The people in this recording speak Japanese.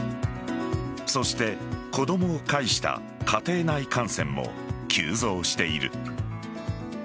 そして子供を介した家庭内感染も急増している。